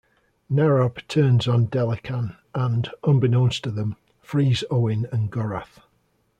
Narab turns on Delekhan and, unbeknownst to them, frees Owyn and Gorath.